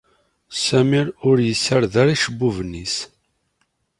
Sami ur i sard ara icebbuben-is.